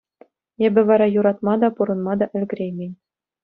Эпӗ вара юратма та, пурӑнма та ӗлкӗреймен.